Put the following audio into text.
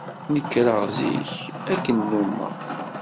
Nekreɣ zik, akken nnummeɣ.